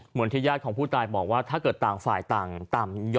เหมือนที่ญาติของผู้ตายบอกว่าถ้าเกิดต่างฝ่ายต่างต่ำ